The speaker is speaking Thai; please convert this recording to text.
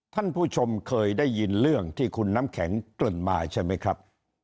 ท่านผู้ชมเคยได้ยินเรื่องที่คุณน้ำแข็งเกริ่นมาใช่ไหมครับ